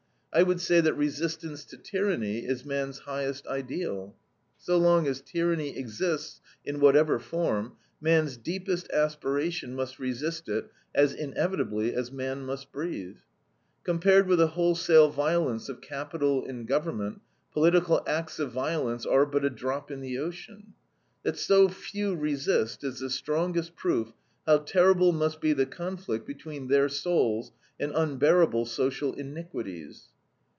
I would say that resistance to tyranny is man's highest ideal. So long as tyranny exists, in whatever form, man's deepest aspiration must resist it as inevitably as man must breathe. Compared with the wholesale violence of capital and government, political acts of violence are but a drop in the ocean. That so few resist is the strongest proof how terrible must be the conflict between their souls and unbearable social iniquities.